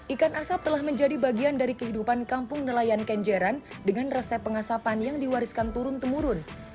ikan asap telah menjadi bagian dari kehidupan kampung nelayan kenjeran dengan resep pengasapan yang diwariskan turun temurun